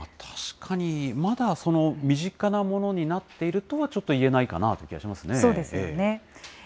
確かに、まだ身近なものになっているとはちょっと言えないかなという気がそうですよね。